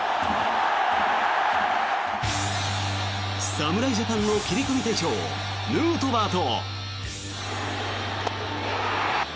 侍ジャパンの切り込み隊長ヌートバーと。